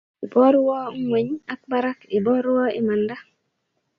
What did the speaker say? Iborwoo ngweny ak barak, iborwo imanda